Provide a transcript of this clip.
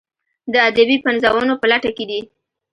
د ادبي پنځونو په لټه کې دي.